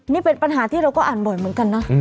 นี่เป็นปัญหาที่เราก็อ่านบ่อยเหมือนกันนะ